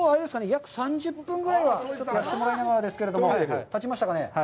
約３０分ぐらいはやってもらいながらですが、たちましたかね。